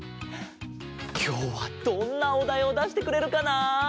きょうはどんなおだいをだしてくれるかな？